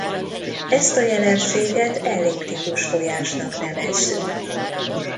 Ezt a jelenséget elliptikus folyásnak nevezzük.